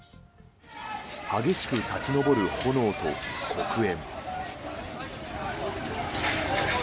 激しく立ち上る炎と黒煙。